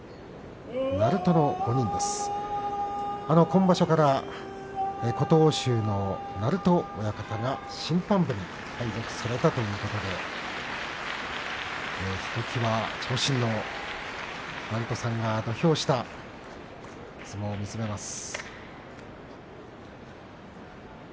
今場所から琴欧洲の鳴戸親方が審判部に配属されたということでひときわ長身の鳴戸さんが土俵下相撲を見つめます。